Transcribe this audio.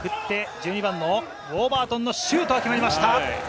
１２番のウォーバートンのシュート、決まりました。